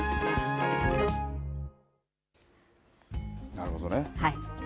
なるほどね。